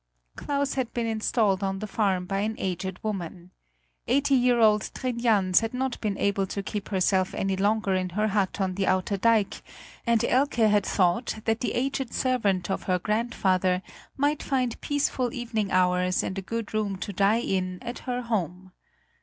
Claus had been installed on the farm by an aged woman. Eighty year old Trin Jans had not been able to keep herself any longer in her hut on the outer dike; and Elke had thought that the aged servant of her grandfather might find peaceful evening hours and a good room to die in at her home.